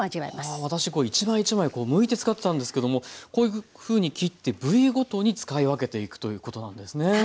私一枚一枚むいて使ってたんですけどもこういうふうに切って部位ごとに使い分けていくということなんですね。